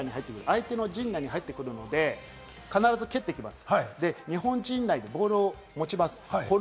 相手の陣内に入ってくるので、必ず蹴ってきます。